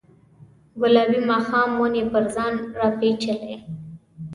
ګلابي ماښام ونې پر ځان راپیچلې